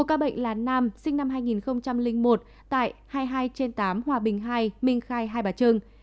một ca bệnh là nam sinh năm hai nghìn một tại hai mươi hai trên tám hòa bình hai minh khai hai bà trưng